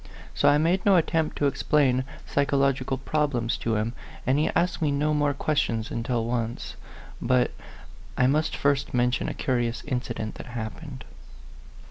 So I made no attempt to explain psychological problems to him, and he asked me no more questions until once But I must first mention a curious incident that happened.